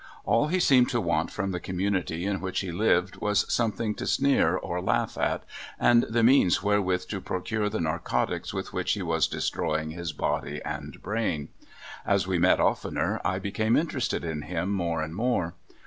All he seemed to want from the community in which he lived was something to sneer or laugh at, and the means wherewith to procure the narcotics with which he was destroying his body and brain. As we met oftener, I became interested in him more and more.